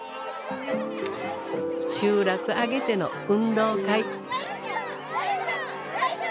集落挙げての運動会。